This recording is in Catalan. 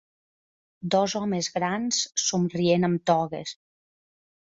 Dos homes grans somrient amb togues.